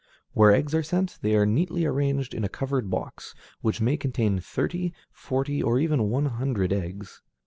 Where eggs are sent, they are neatly arranged in a covered box, which may contain thirty, forty, or even one hundred eggs.